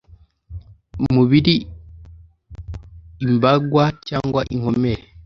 mubiri imbagwa cyangwa inkomere